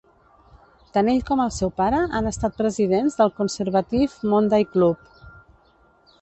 Tant ell com el seu pare han estat presidents del Conservative Monday Club.